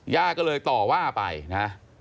ย่าก็เลยต่อว่าไปนะ